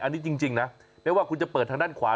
อันนี้จริงนะไม่ว่าคุณจะเปิดทางด้านขวา